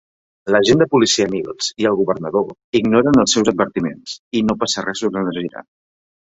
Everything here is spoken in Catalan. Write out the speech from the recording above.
L'agent de policia Mills i el governador ignoren els seus advertiments, i no passa res durant la gira.